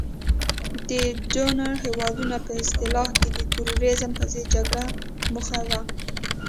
د ډونر هیوادونو په اصطلاح د تروریزم په ضد جګړه موخه وه.